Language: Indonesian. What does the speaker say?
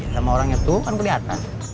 sama orangnya tuh kan kelihatan